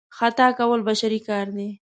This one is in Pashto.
خطا کول بشري کار دی.